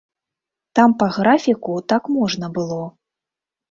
Там па графіку так можна было.